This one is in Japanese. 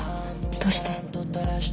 どうして？